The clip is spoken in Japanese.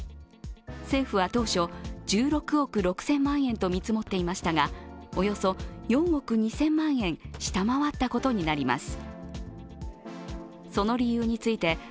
政府は当初、１６億６０００万円と見積もっていましたがおよそ４億２０００万円下回ったことになります。